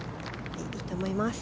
いいと思います。